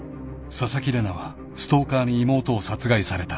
［紗崎玲奈はストーカーに妹を殺害された］